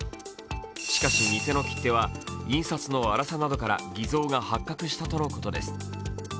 しかし偽の切手は印刷の粗さなどから偽造が発覚したとのことです。